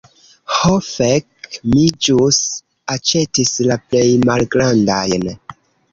Ho fek, mi ĵus aĉetis la plej malgrandajn.